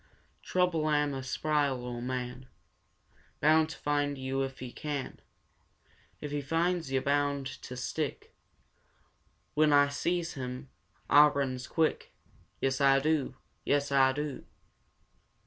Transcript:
Trouble am a spry ol' man, Bound to find yo' if he can; If he finds yo' bound to stick. When Ah sees him, Ah runs quick! Yes, Ah do! Yes, Ah do!"